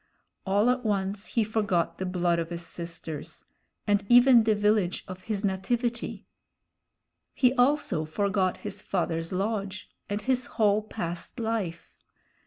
All at once he forgot the blood of his sisters, and even the village of his nativity; he also forgot his father's lodge, and his whole past life.